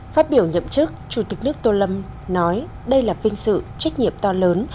phát biểu nhậm chức chủ tịch nước tô lâm nói đây là vinh sự trách nhiệm to lớn